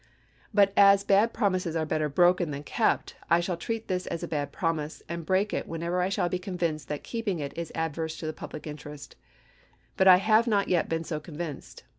But as bad promises are better broken than kept, I shall treat this as a bad promise, and break it whenever I shall be convinced that keeping it is adverse to the public interest ; but I have not yet been so convinced.